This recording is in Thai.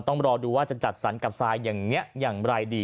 ต้องรอดูว่าจะจัดสรรค์กับทรายอย่างไรดี